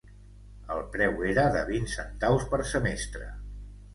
El preu era de vint centaus per semestre.